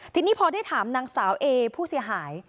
ทีนี้พอได้ถามนางสาวเอผู้เสียหาย